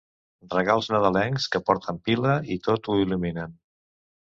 Regals nadalencs que porten pila i tot ho il·luminen.